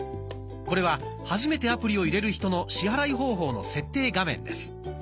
これは初めてアプリを入れる人の支払い方法の設定画面です。